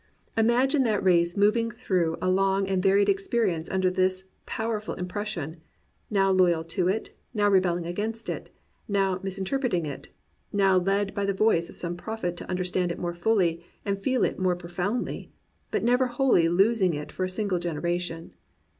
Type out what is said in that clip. Im agine that race moving through a long and varied experience under this powerful impression, now loyal to it, now rebelling against it, now misinter preting it, now led by the voice of some prophet to understand it more fully and feel it more pro foundly, but never wholly losing it for a single gen eration.